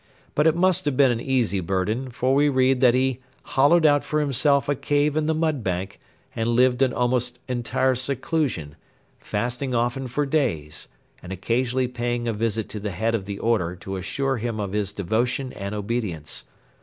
But it must have been an easy burden, for we read that he 'hollowed out for himself a cave in the mud bank, and lived in almost entire seclusion, fasting often for days, and occasionally paying a visit to the head of the order to assure him of his devotion and obedience.'